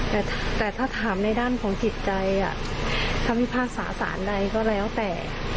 แต่ถ้าถามในด้านของจิตใจคำพิพากษาสารใดก็แล้วแต่